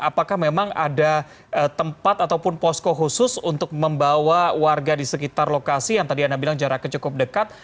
apakah memang ada tempat ataupun posko khusus untuk membawa warga di sekitar lokasi yang tadi anda bilang jaraknya cukup dekat